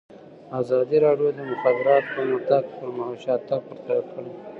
ازادي راډیو د د مخابراتو پرمختګ پرمختګ او شاتګ پرتله کړی.